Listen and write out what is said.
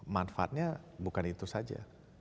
manfaatnya bukan itu saja